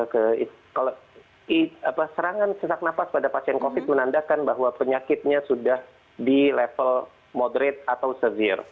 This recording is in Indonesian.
kalau serangan sesak nafas pada pasien covid sembilan belas menandakan bahwa penyakitnya sudah di level moderate atau severe